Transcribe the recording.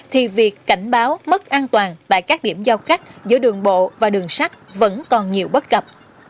thì việc cảnh báo mất an toàn tại các điểm giao cắt giữa đường bộ và đường sắt vẫn còn nhiều bất cập